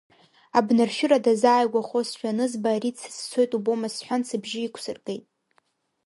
Абнаршәыра дазааигәахозшәа анызба ари дсыцәцоит убома сҳәан сыбжьы иқәсыргеит.